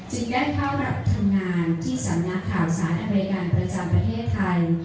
ได้เข้ารับทำงานที่สำนักข่าวสารอเมริกันประจำประเทศไทย